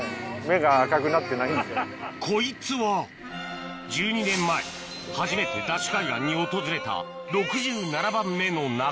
こいつは１２年前初めてＤＡＳＨ海岸に訪れた奇麗な色。